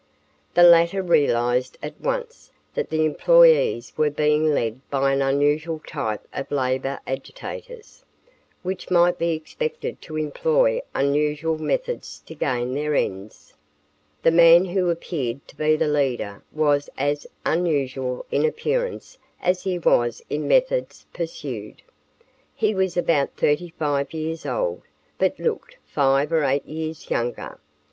The latter realized at once that the employees were being led by an unusual type of labor agitators, who might be expected to employ unusual methods to gain their ends. The man who appeared to be the leader was as unusual in appearance as he was in methods pursued. He was about thirty five years old, but looked five or eight years younger.